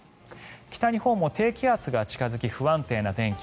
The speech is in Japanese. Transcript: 北日本も低気圧が近付き不安定な天気。